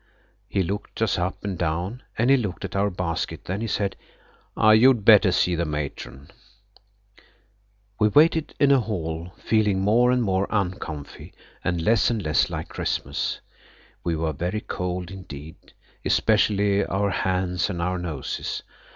He looked us up and down, and he looked at our basket, then he said: "You'd better see the Matron." We waited in a hall, feeling more and more uncomfy, and less and less like Christmas. We were very cold indeed, especially our hands and our noses.